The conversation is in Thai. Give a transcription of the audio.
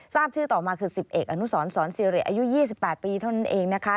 ทราบชื่อต่อมาคือ๑๑อนุสรสอนซิริอายุ๒๘ปีเท่านั้นเองนะคะ